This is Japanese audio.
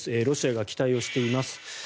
ロシアが期待をしています。